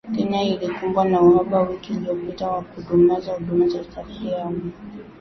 Kenya ilikumbwa na uhaba wiki iliyopita na kudumaza huduma za usafiri wa umma